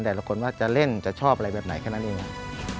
แต่ละคนว่าจะเล่นจะชอบอะไรแบบไหนแค่นั้นเองครับ